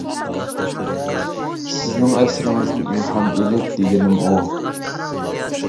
سىزنىڭ ئەسىرىڭىزدىن ئىلھام ئېلىپ دېگىنىم ئۇ.